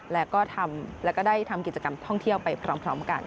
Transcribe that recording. แล้วก็ได้ทำกิจกรรมท่องเที่ยวไปพร้อมกัน